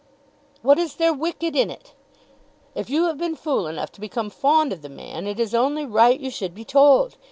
"What is there wicked in it? If you have been fool enough to become fond of the man, it is only right you should be told.